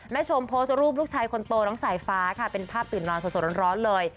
ชมโพสต์รูปลูกชายคนโตน้องสายฟ้าค่ะเป็นภาพตื่นนอนสดร้อนเลย